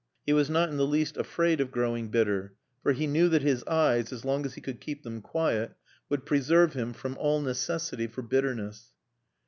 He was not in the least afraid of growing bitter; for he knew that his eyes, as long as he could keep them quiet, would preserve him from all necessity for bitterness.